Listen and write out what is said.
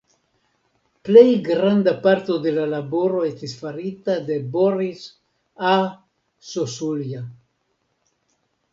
Plej granda parto de la laboro estis farita de Boris A. Zozulja.